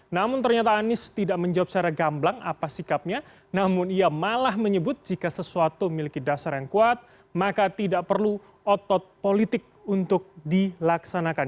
namun ternyata anies tidak menjawab secara gamblang apa sikapnya namun ia malah menyebut jika sesuatu memiliki dasar yang kuat maka tidak perlu otot politik untuk dilaksanakan